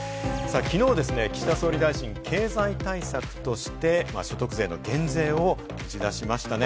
きのうですね、岸田総理大臣、経済対策として所得税の減税を打ち出しましたね。